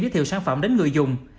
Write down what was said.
giới thiệu sản phẩm đến người dùng